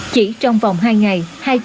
chỉ trong vòng hai ngày